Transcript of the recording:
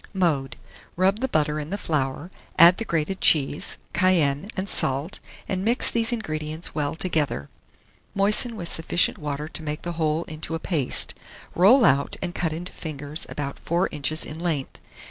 Mode. Rub the butter in the flour; add the grated cheese, cayenne. and salt; and mix these ingredients well together. Moisten with sufficient water to make the whole into a paste; roll out, and cut into fingers about 4 inches in length.